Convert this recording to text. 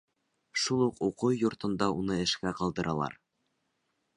Шул уҡ уҡыу йортонда уны эшкә ҡалдыралар.